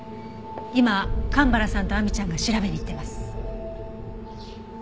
今蒲原さんと亜美ちゃんが調べに行ってます。